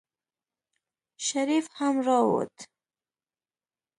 شريف هم راووت.